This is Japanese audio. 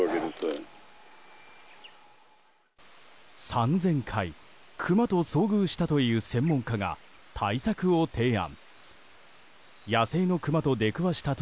３０００回クマと遭遇したという専門家が対策を提案。